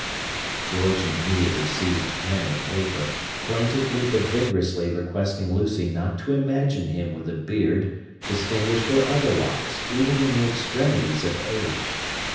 George immediately seized pen and paper, plaintively but vigorously requesting Lucy not to imagine him with a beard, distinguished or otherwise, even in the extremities of age.